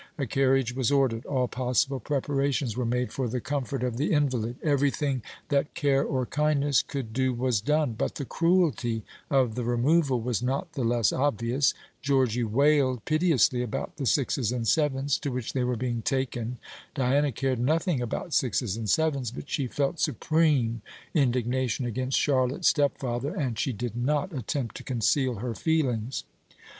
A carriage was ordered; all possible preparations were made for the comfort of the invalid everything that care or kindness could do was done; but the cruelty of the removal was not the less obvious. Georgy wailed piteously about the sixes and sevens to which they were being taken. Diana cared nothing about sixes and sevens; but she felt supreme indignation against Charlotte's stepfather, and she did not attempt to conceal her feelings.